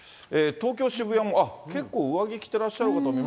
東京・渋谷も、結構、上着着てらっしゃる方もいて。